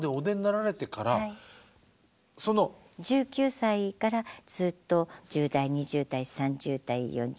１９歳からずっと１０代２０代３０代４０代５０代６０代。